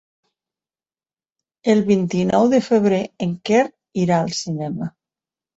El vint-i-nou de febrer en Quer irà al cinema.